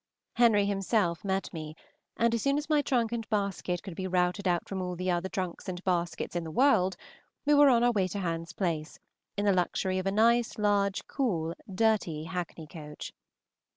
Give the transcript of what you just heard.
Henry himself met me, and as soon as my trunk and basket could be routed out from all the other trunks and baskets in the world, we were on our way to Hans Place in the luxury of a nice, large, cool, dirty hackney coach.